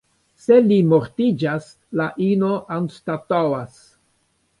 Se li mortiĝas, la ino anstataŭas.